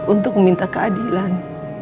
untuk meminta keadilan